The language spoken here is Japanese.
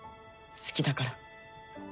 好きだから。